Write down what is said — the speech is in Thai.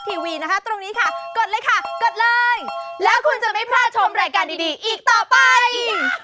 โปรดติดตามตอนต่อไป